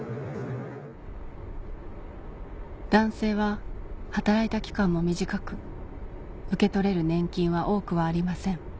男性は働いた期間も短く受け取れる年金は多くはありません